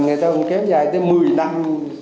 người ta cũng kéo dài tới một mươi năm